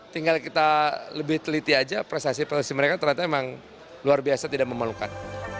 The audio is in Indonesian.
tinggal kita lebih teliti aja prestasi prestasi mereka ternyata emang luar biasa tidak memelukan